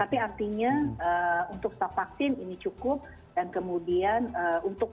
tapi artinya untuk stok vaksin ini cukup dan kemudian untuk